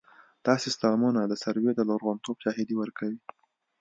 دا سیستمونه د سروې د لرغونتوب شاهدي ورکوي